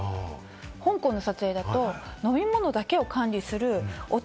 香港の撮影だと飲み物だけを管理するお茶